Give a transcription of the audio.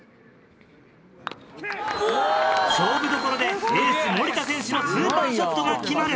勝負どころでエース森田選手のスーパーショットが決まる。